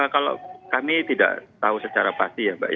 kalau kami tidak tahu secara pasti ya mbak